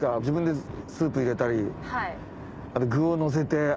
自分でスープ入れたり具をのせて。